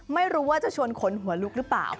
ไม่รู้ว่าจะชวนขนหัวลุกหรือเปล่า